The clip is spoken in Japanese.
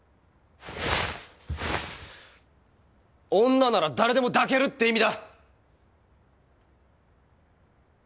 女なら誰でも抱けるって意味だ！